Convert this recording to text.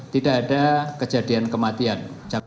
tidak ada kejadian kematian